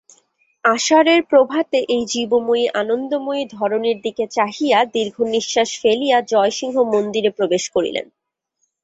আষাঢ়ের প্রভাতে এই জীবময়ী আনন্দময়ী ধরণীর দিকে চাহিয়া দীর্ঘনিশ্বাস ফেলিয়া জয়সিংহ মন্দিরে প্রবেশ করিলেন।